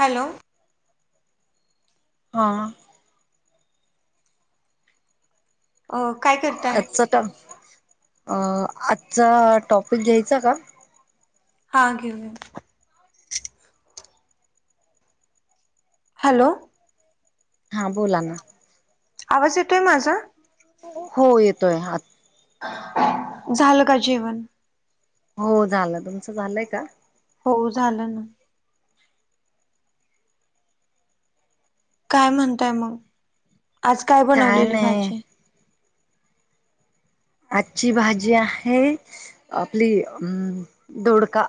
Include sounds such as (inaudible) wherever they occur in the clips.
Hello. हा.. अ कायं. आजचा ट अ आजचा टॉपिक घ्यायचा का. हा घेऊया. हॅलो. हां बोला ना. आवाज येतोय माझा. हो येतोय. आत झालं का जेवण. हो झालं, तुमचं झालंय का. हो, झालं ना. काय म्हणताय मग, आज काय बनवलेली भाजी. आजची भाजी आहे, आपली अ दोडका.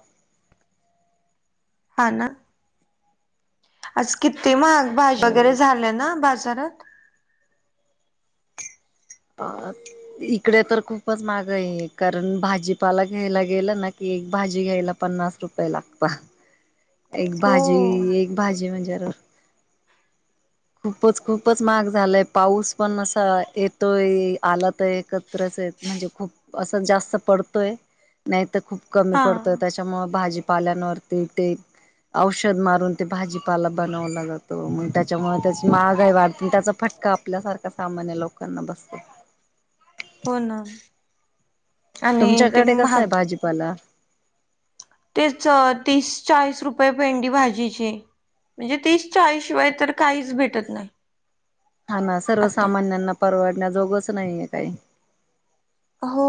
हा ना! आज किती महाग भाज्या हो वगैरे झाले ना बाजारात. आ.. इकडे तर खूपच महाग आहे. कारण भाजीपाला घ्यायला गेलं ना की, एक भाजी घ्यायला पन्नास. रुपये लागतं. एक हो भाजी एक भाजी म्हणजे, खूपच खूपच महाग झालायं, पाऊस पण असा येतोय. आला तर एकत्रच ये म्हणजे खूप असं जास्त पडतोय, नाही तर खूप कमी हा पडतोय तेच्या त्यामुळे भाजीपाल्यांनवरती ते. औषध मारून ते भाजीपाला बनवलं जातो, मग त्याच्यामुळं. त्याची महागही वाढते. त्याचा फटका आपल्यासारखा सामान्य लोकांना बसत. हो ना. आणि ते तुमच्याकडे कसे महाग आहे भाजीपाला. तेच तीस चाळीस रुपये पेंडी भाजीची. म्हणजे, तीस चाळीस शिवाय तर काहीच भेटत नाही. हा ना आता सर्वसामान्यांना परवडण्याजोगच नाहीये काही. हो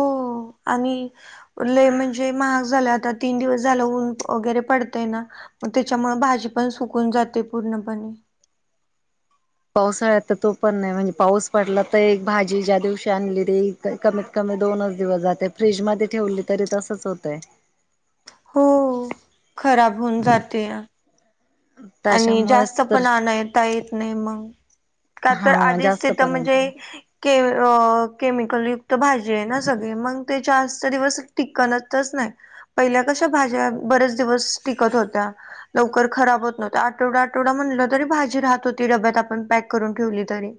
आणि, लै म्हणजे महाग झालं आता, तीन दिवस झालं ऊन वगैरे पडतंय ना. मग तेच्यामुळे भाजी पण सुकून जाते पूर्णपणे. पावसाळ्यात तर तो पण नाही. म्हणजे पाऊस पडला तर, एक भाजी ज्या दिवशी आणली री. कमीत कमी दोनच दिवस जाते, फ्रीजमध्ये ठेवली तरी तसच होतंय. हो. खराब होऊन जात्या. आणि त्याच्यामुळेच जास्तं तर पण, आणता येत नाही मग. का तर हा आधीच जास्त तिथं पण होत म्हणजे, के अ केमिकल युक्त भाजी आहे ना, सगळी मग ते जास्तं दिवस टिकतच नाही. पहिल्या कशा भाज्या बरेच दिवस टिकत होत्या, लवकर खराब होतं नव्हत्या. आठवडा आठवडा म्हणलं तरी भाजी राहत होती, डब्यात आपण पॅक करून ठेवली तरी.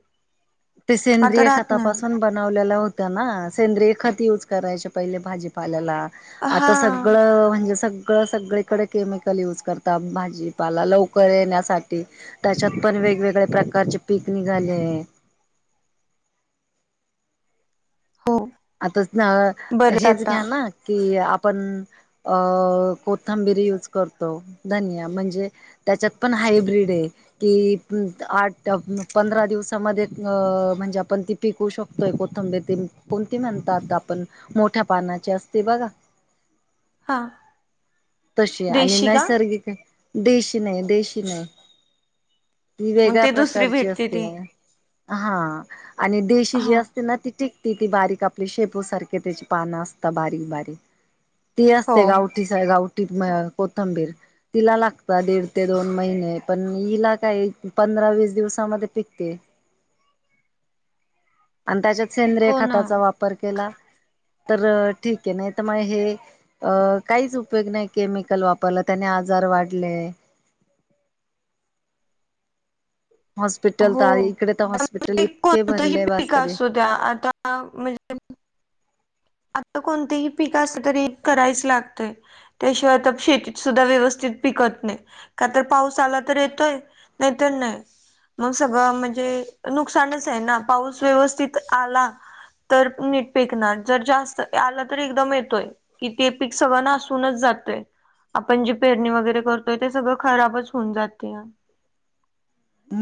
ते आता सेंद्रिय राहत खतापासून नाही बनवलेलं होतं ना, सेंद्रिय खत यूज करायचे पहिले भाजी. पाल्याला हा आता सगळं म्हणजे सग क सगळीकडे केमिकल यूज करतात भाजीपाला लवकर येण्यासाठी. तेच्यात पण वेगवेगळ्या प्रकारचे पिक निघाले. हो. आताच ना बरंच हेच आता घ्या ना कि आपण अ कोथंबिरी यूज करतो धनिया म्हणजे त्याच्यात पण हायब्रीड आहे. कि आठ पंधरा दिवसामध्ये अ म्हणजे आपण ती पिकू शकतोय कोथंबीर ते कोणती म्हणतात आपण मोठ्या पानाची असते बघा हां. तशी आणि नैसर्गिक देशी नाय देशी नाय ती मग वेगळ्या ते दुसरी प्रकारची भेटते असते ती हा आणि देशी जी हा असते ना ती टिक ति ती बारीक आपली शेपू सारखे त्याची पानं असता बारीक-बारीक ती हो असते गावठी (unintelligible) गावटीत कोथंबीर तिला लागता दीड ते दोन महिने पण हिला काय पंधरा वीस दिवसामध्ये पिकते. आन त्याच्यात सेंद्रिय हो ना खताचा वापर केला तर ठीक ये नाईत मग हे अ काहीच उपयोग नाही केमिकल वापरला त्याने आजार वाढले. हॉस्पिटल हो तर इकडे तर हॉस्पिटल इतके भरले बास कधी त्या आता म्हणजे आता कोणते ही पीक असल तरी करायच लागतय. त्याशिवाय तत शेतीत सुद्धा व्यवस्थित पिकत नाय. का तर पाऊस आला तर येतोय नाहीतर नाय. म सगळं म्हणजे नुकसानच आहे ना पाऊस व्यवस्थित आला तर नीट पीकणार. जर जास्त आलं तरी एकदम येतोय कि ते पीक सगळं नासूनच जातय. आपण जे पेरणी वगैरे करतोय ते सगळं खराबच होऊन जातेया.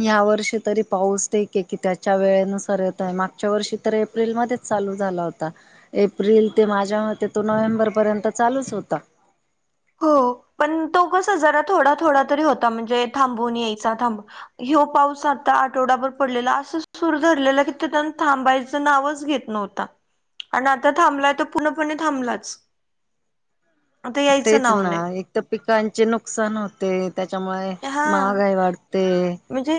या वर्षी तरी पाऊस ठीक आहे की त्याच्या वेळेनुसार येतय मागच्या वर्षी तरी एप्रिलमध्येच चालू झाला होता एप्रिल ते माझ्या मते तो नोव्हेंबरपर्यंत चालूच होता. हो पण तो कस जरा थोडा थोडा तरी होता म्हणजे थांबून यायचा थांबून ह्यो पाऊस आता आठवडाभर पडलेला असं सुर धरलेलं कि ते त्यांन थांबायचं नावच घेत नव्हता आणि आता थांबलाय त पूर्णपणे थांबलाच. आता यायचं तेच नाव ना नाही एक तर पिकांचे नुकसान होते त्याच्यामुळे हा. महागाई वाढते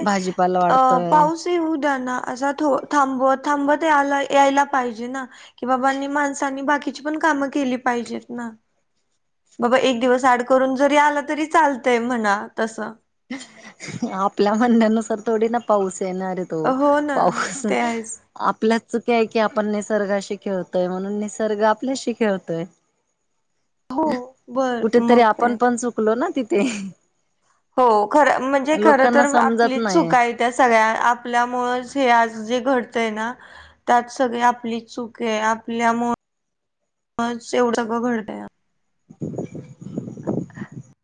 भाजीपाला वाढतोय. ते हू द्या ना असा थो थांबवत थांबत आला यायला पाहिजे ना. कि बाबांनी माणसांनी बाकीची पण कामं केली पाहिजेत ना. बाबा एक दिवस आड करून जरी आला तरी चालतय म्हणा तसं. आपल्या म्हणण्यानुसार थोडी ना पाऊस येणाराय. तो हो ना पाऊस ते आहेच. आपल्याच चुक्या की आपण निसर्गाशी खेळतोय म्हणून निसर्ग आपल्याशी खेळतोय. हो बर कुठेतरी मग काय. आपण पण चुकलो ना तिथे. हो खरं म्हणजे खरं लोकांना तर समजत आपलीच नाही चुक हाय त्या सगळ्या आपल्यामूळचं हे आज जे घडतय ना त्यात सगळी आपलीच चुक आहे आपल्यामूळचं एवढं सगळं घडतय ना.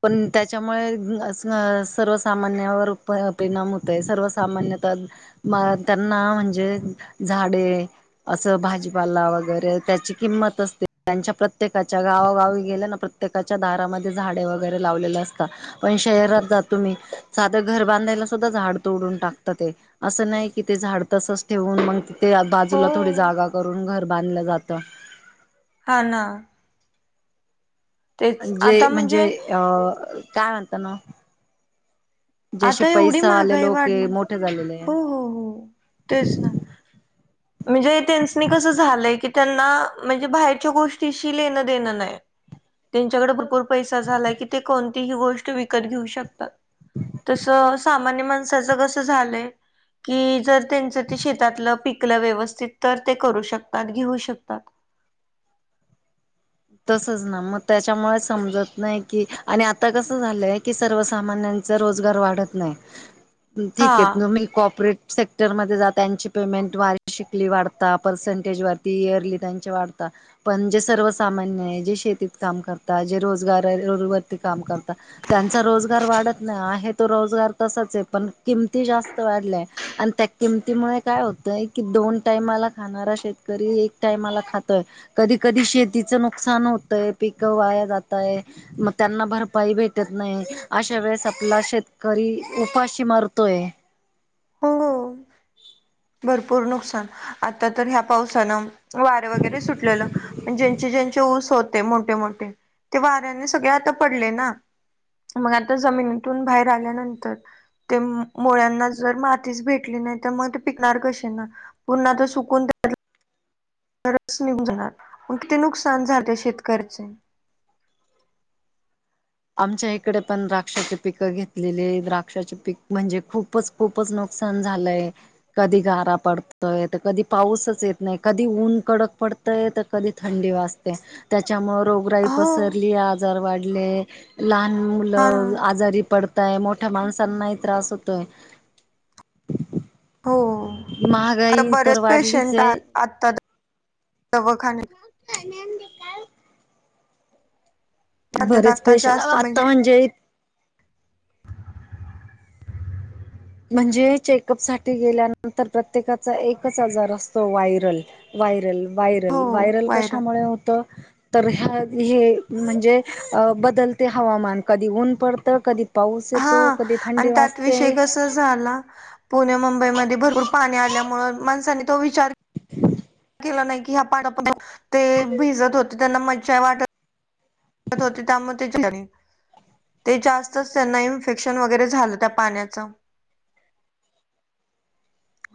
पण त्याच्यामुळे अ स सर्वसामान्यावर प परिणाम हो तय सर्वसामान्यता म त्यांना म्हणजे झाडे असं भाजीपाला वगैरे त्याची किंमत असते त्यांच्या प्रत्येकाच्या गावोगावी गेल ना प्र प्रत्येकाच्या दारामध्ये झाडे वगैरे लावलेले असता. पण शहरात जा तुम्ही सादं घर बांधायला सुद्धा झाड तोडून टाकता ते. असं नाही कि ते झाडं तसच ठेवून मग ते आ हो बाजूला थोडी जागा करून घर बांधलं जातं. हा ना. तेच जे आता म्हणजे अ काय म्हणता ना जसे आता एवढी पैसा महागाई आलेलो के वाढणार मोठे झालेले हो आहे. हो हो तेच ना म्हणजे, त्यांसनी कस झालंय कि. त्यांना म्हणजे, बाहेरच्या गोष्टीशी लेणं देणं नाही त्यांच्याकडे भरपूर. पैसा झालाय की ते कोणतीही गोष्ट विकत घेऊ शकतात. तसं सामान्य माणसाचं कसं झालंय. कि जर त्यांचं ते शेतातलं पिकलं व्यवस्थित, तर ते करू शकतात घेऊ शकता. तसंच ना मग त्याच्यामुळे समजत नाही की, आणि आता कसं झालंय. ते सर्वसामान्यांच रोजगार वाढत नाही. ठीक आहे, हा तुम्ही को ऑपरेटसाठ इटरमध्ये जा त्यांची पेमेंट वारी शिकली वाढता, पर्सेंटेजवरती इयरली त्यांचे वाढत. पण जे सर्वसामान्य आहे, जे शेतीत काम करता जे रोजगार वरती काम करता. त्यांचा रोजगार वाढत नाही. आहे तो रोजगार तसाच आहे, पण किमती जास्त वाढल्या. आणि त्या किमतीमुळे काय होतंय, की दोन टाइमाला खाणारा शेतकरी एक टाइमाला खातोय. कधी कधी शेतीचं नुकसान होतंय, पिकं वाया जातंय. मग त्यांना भरपाई भेटत नाही, अशा वेळेस आपला शेतकरी उपाशी मारतोय. हो. भरपूर नुकसान, आता तर ह्या पावसानं. वारं वगैरे सुटलेलं. ज्यांचे ज्यांचे ऊस होते, मोठे मोठे ते वाऱ्याने सगळे आता पडले ना. मग आता जमिनीतून बाहेर आल्यानंतर ते मुळ्यांना. जर मातीच भेटली नाही तर, मग पिकणार कशी ना पुन्हा ते सुकून. रसच निघून जाणार, किती नुकसान झाले शेतकऱ्याचे. आमच्या इकडे पण द्राक्षांचे पिकं घेतलेले, द्राक्षाचे पीक म्हणजे खूपचं. खूपच नुकसान झालंय. कधी गारा पडतंय, तर कधी पाऊसच येत नाही. कधी ऊन कडक पडतं. कधी थंडी वाजते त्यांच्यामुळ. रोगराई हो पसरली ये आजार वाढले, लहान हा मुलं आजारी पडतं. मोठ्या माणसांनाही त्रास होतोय. हो आता महागाई तर बरेच वाढलीच पेशंट आ आहे. आता दवाखान्याला. (unintelligible) आता बरेच आता पेशंट जास्त आता म्हणजे, म्हणजे चेकअप साठी गेल्यानंतर, प्रत्येकाचा एकच आजार असतो व्हायरल. व्हायरल व्हायरल व्हायरल कशामुळं होतं. तर ह्या हे म्हणजे अ.. बदलते हवामान. कधी ऊन पडतं कधी, पाऊस हा येतो, कधी थंडी आणि त्यात वाजते. विषय कसा झाला पुणे मुंबई मध्ये भरपूर पाणी आल्यामुळे, माणसानी तो विचार. (inaudible) (unintelligible) भिजत होते त्यांना मज्जा वाटत. (unintelligible) ते जास्तच त्यांना इन्फेक्शन वगैरे, झालं त्या पाण्याचं.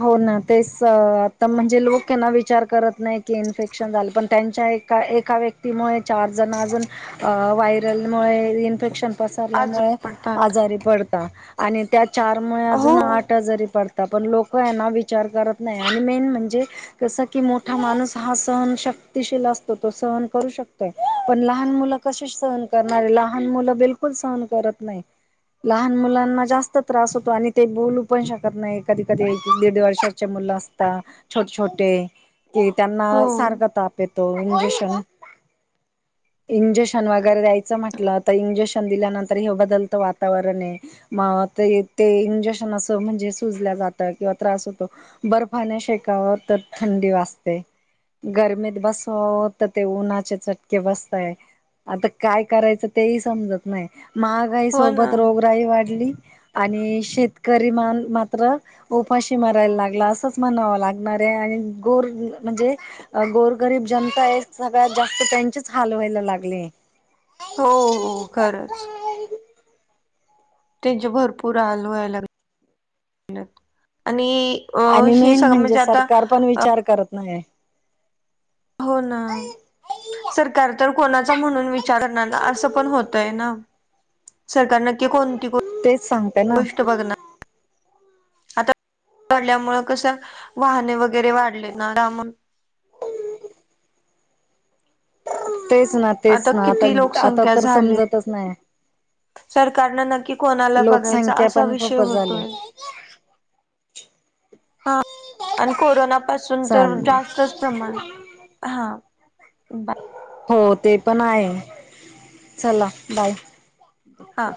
हो ना तेच आता म्हणजे, लोक हेना विचार करत नाही की इन्फेक्शन झालं पण त्यांच्या एक, एका व्यक्तीमुळे चार जण अजून व्हायरलमुळे इन्फेक्शन. आजार पसल्यामुळे पडतात आजारी पडता, आणि त्या चारमुळे हो अजून आठ. जरी पडता पण लोक हेना विचार करत नाही. आणि मेन म्हणजे, कसं की मोठा माणूस हा सहन शक्तिशील असतो. तो सहन करू शकतोय. पण लहान मुलं, कसे सहन करणारे, लहान मुलं बिलकुल सहन करत नाही. लहान मुलांना जास्त त्रास होतो, आणि ते बोलू पण शकत नाही कधी. कधी दीड दीड वर्षाचे मुलं असतात. छोटे छोटे कि त्यांना हो सारख ताप. येतो. इंजेक्शन वगैरे द्यायचं म्हटलं तर, इंजेक्शन दिल्यानंतर हे बदलतं वातावरण ये. मग ते ते इंजेक्शन असं म्हणजे सुजल्या जात (unintelligible) किंवा त्रास होतो बर्फाने शेकाव तर थंडी वाजते. गर्मीत बसाव तर ते, उन्हाचे चटके बसताय. आता काय करायचं तेही, समजत नाही मागं. ई हो ना सोबत रोगराई वाढली, आणि शेतकरी मात्र. उपाशी मारायला लागला असंच म्हणावं लागणार आहे. आणि गोर म्हणजे, अ गोरगरीब जनता आहे सगळ्यात जास्त त्यांचेच हाल व्हायला लागले. हो हो, खरंच. त्यांचे भरपूर हाल व्हायला लागलेत आणि अ आणि हे मेन सगळं म्हणजे, आता सरकार पण विचार करत नाही ये. हो ना. सरकार तर कोणाचा म्हणून, विचारणार करणार ना असं पण होतंय ना. सरकार नक्की कोणती गोष्ट बघणार. हो. आता तोडल्यामुळे कस वाहने वगैरे वाढले ना त्यामुळं. तेच ना, तेच ना आता, आता तर समजतच नाही. सरकारन नक्की कोणाला बघायचा लोकसंख्या असा पण विषय खूपच झाली. होतोय. हां.. आणि कोरोनापासून तर चालेल जास्तच. प्रमाण हा हो ते पण आहे चला बाय. हां.